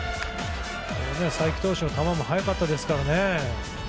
才木投手の球も速かったですからね。